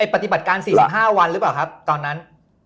ปฏิบัติการ๔๕วันหรือเปล่าครับตอนนั้น